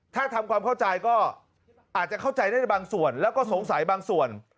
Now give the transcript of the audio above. ถ้าทำความเข้าใจก็อาจจะเข้าใจได้บางส่วนแล้วก็สงสัยบางส่วน